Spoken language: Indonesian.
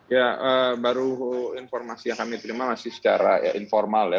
ya baru informasi yang kami terima masih secara informal ya